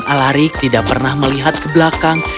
sang pangeran alarik tidak pernah melihat ke belakang